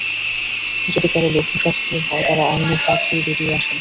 যদি কারও লঘু শাস্তিও হয়, তাঁরা আইনের ফাঁক দিয়ে বেরিয়ে আসেন।